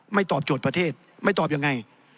ตอบโจทย์ประเทศไม่ตอบยังไง